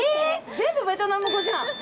全部ベトナム語じゃん。